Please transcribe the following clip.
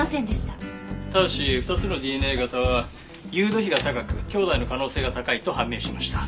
ただし２つのＤＮＡ型は尤度比が高く兄弟の可能性が高いと判明しました。